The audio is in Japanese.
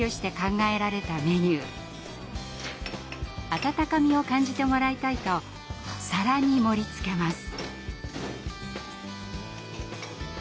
温かみを感じてもらいたいと皿に盛りつけます。